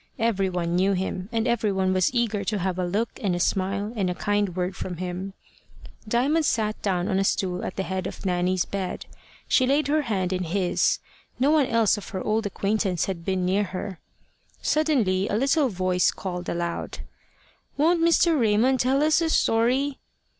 Every one knew him, and every one was eager to have a look, and a smile, and a kind word from him. Diamond sat down on a stool at the head of Nanny's bed. She laid her hand in his. No one else of her old acquaintance had been near her. Suddenly a little voice called aloud "Won't Mr. Raymond tell us a story?"